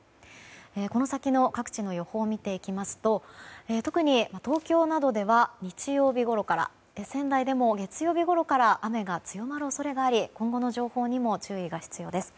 この先の各地の予報を見ていきますと特に東京などでは日曜日ごろから仙台でも月曜日ごろから雨が強まる恐れがあり今後の情報にも注意が必要です。